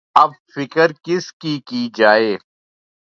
اب فکر کس کی‘ کی جائے؟